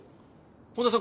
本田さん